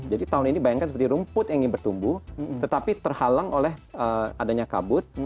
jadi tahun ini bayangkan seperti rumput ingin bertumbuh tetapi terhalang oleh adanya kabut